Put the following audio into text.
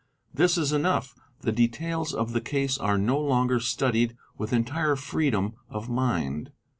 This is enough: the details of the case are no longer studied with entire freedom of mind.